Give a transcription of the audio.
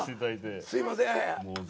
あっすいません。